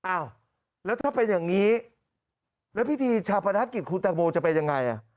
อ้าวแล้วถ้าเป็นอย่างนี้แล้วพิธีชาปนกิจคุณตังโมจะเป็นยังไง